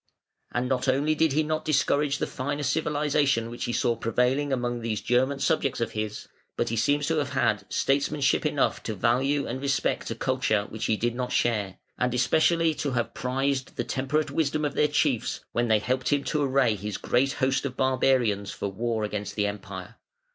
And not only did he not discourage the finer civilisation which he saw prevailing among these German subjects of his, but he seems to have had statesmanship enough to value and respect a culture which he did not share, and especially to have prized the temperate wisdom of their chiefs, when they helped him to array his great host of barbarians for war against the Empire.